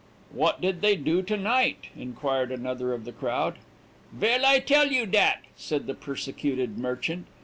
"'What did they do to night?' inquired another of the crowd. "'Vell I tell you dat,' said the persecuted merchant.